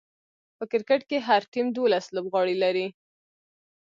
په کرکټ کښي هر ټيم دوولس لوبغاړي لري.